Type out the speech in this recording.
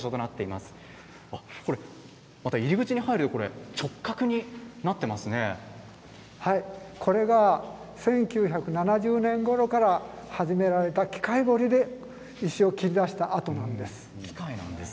また入り口に入るとはい、これが１９７０年ごろから始められた機械掘りで石を切り出した跡なんです。